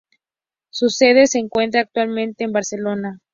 Su sede se encuentra actualmente en Barcelona.